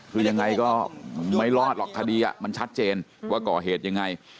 คือยังไงก็ไม่รอดหรอกคดีมันชัดเจนว่าก่อเหตุยังไง